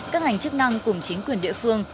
các ngành chức năng cùng chính quyền địa phương